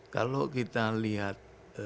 kalau kita lihat